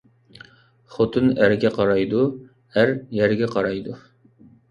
خوتۇن ئەرگە قارايدۇ، ئەر يەرگە قارايدۇ